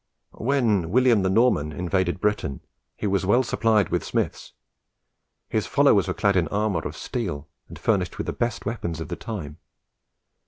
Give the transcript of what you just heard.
When William the Norman invaded Britain, he was well supplied with smiths. His followers were clad in armour of steel, and furnished with the best weapons of the time.